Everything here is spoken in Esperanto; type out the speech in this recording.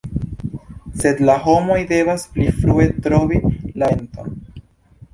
Sed la homoj devas pli frue trovi la venton”".